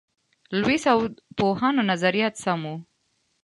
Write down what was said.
لویس او پوهانو نظریات سم وو.